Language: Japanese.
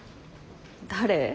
誰？